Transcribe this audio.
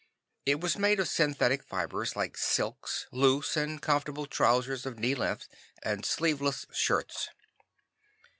It was made of synthetic fabrics like silks, loose and comfortable trousers of knee length, and sleeveless shirts.